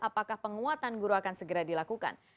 apakah penguatan guru akan segera dilakukan